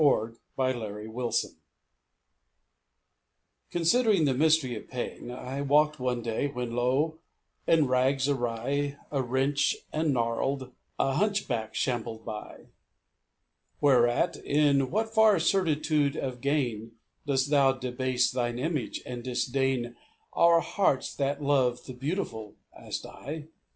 6 4 PRIDE AND CONSCIENCE Considering the mystery of pain, I walked one day, when lo I in rags awry, Awrench and gnarled, a hunchback shambled by ; Whereat, "In what far certitude of gain Dost Thou debase Thine image, and disdain Our hearts that love the beautiful?" asked I.